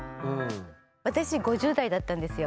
私５０代だったんですよ。